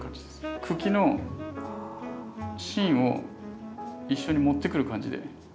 茎の芯を一緒に持ってくる感じで。